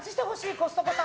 コストコさん